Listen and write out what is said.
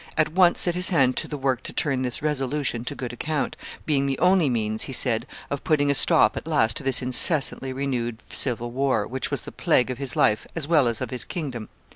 at once set his hand to the work to turn this resolution to good account, being the only means, he said, of putting a stop at last to this incessantly renewed civil war, which was the plague of his life as well as of his kingdom.